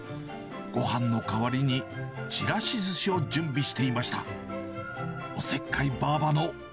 ごはんの代わりに、ちらしずしを準備していました。